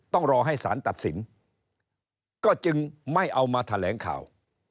ต้องรอให้สารตัดสินก็จึงไม่เอามาแถลงข่าว